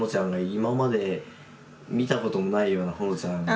今まで見たこともないようなほのちゃんが。